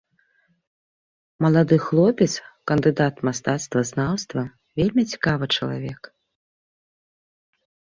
Малады хлопец, кандыдат мастацтвазнаўства, вельмі цікавы чалавек.